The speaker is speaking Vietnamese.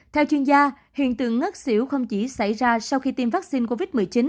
theo chuyên gia hiện tượng ngất xỉu không chỉ xảy ra sau khi tiêm vaccine covid một mươi chín